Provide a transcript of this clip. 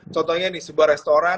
contohnya nih sebuah restoran